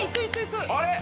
あれ！